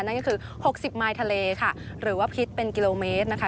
นั่นก็คือ๖๐มายทะเลค่ะหรือว่าพิษเป็นกิโลเมตรนะคะ